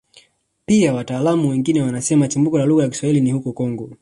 Pia wataalamu wengine wanasema chimbuko la lugha ya Kiswahili ni huko Kongo